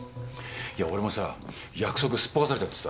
いや俺もさ約束すっぽかされちゃってさ。